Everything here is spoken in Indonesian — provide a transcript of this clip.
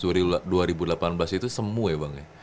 dari dua ribu delapan belas itu semua ya bang